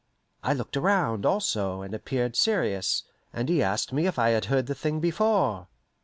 I looked around, also, and appeared serious, and he asked me if I had heard the thing before.